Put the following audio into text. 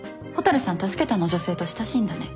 助けたあの女性と親しいんだね？